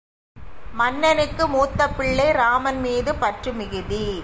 மன்னனுக்கு மூத்த பிள்ளை இராமன் மீது பற்று மிகுதி.